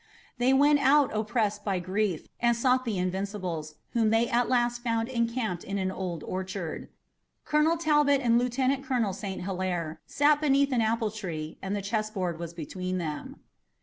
They went out oppressed by grief, and sought the Invincibles, whom they at last found encamped in an old orchard. Colonel Talbot and Lieutenant Colonel St. Hilaire sat beneath an apple tree, and the chessboard was between them.